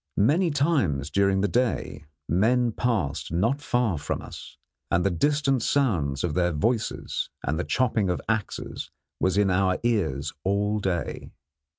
Many times during the day men passed not far from us, and the distant sounds of their voices and the chopping of axes was in our ears all day.